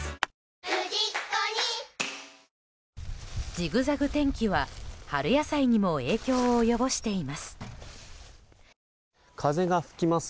ジグザグ天気は春野菜にも影響を及ぼしています。